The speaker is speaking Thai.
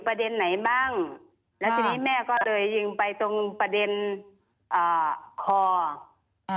ประเด็นไหนบ้างแล้วทีนี้แม่ก็เลยยิงไปตรงประเด็นอ่าคออ่า